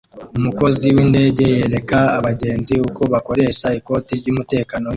Umukozi windege yereka abagenzi uko bakoresha ikoti ryumutekano windege